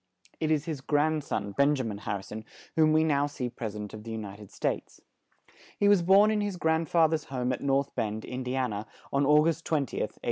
It is his grand son, Ben ja min Har ri son, whom we now see pres i dent of the U ni ted States. He was born in his grand fa ther's home at North Bend, In di an a, on Au gust 20th, 1833.